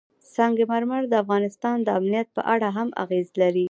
سنگ مرمر د افغانستان د امنیت په اړه هم اغېز لري.